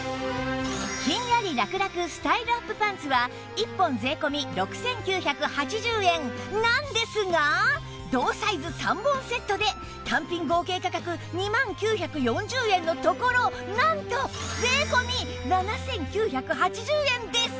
ひんやりらくらくスタイルアップパンツは１本税込６９８０円なんですが同サイズ３本セットで単品合計価格２万９４０円のところなんと税込７９８０円です